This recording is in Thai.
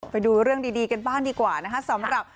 ไปดูเรื่องดีกันบ้างดีกว่านะคะสำหรับ